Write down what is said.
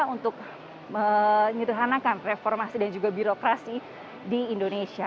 untuk menyederhanakan reformasi dan juga birokrasi di indonesia